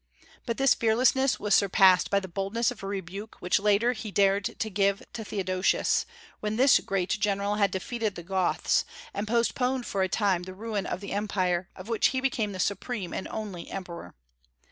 But this fearlessness was surpassed by the boldness of rebuke which later he dared to give to Theodosius, when this great general had defeated the Goths, and postponed for a time the ruin of the Empire, of which he became the supreme and only emperor.